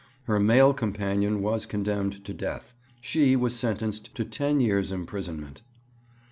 Her male companion was condemned to death; she was sentenced to ten years' imprisonment.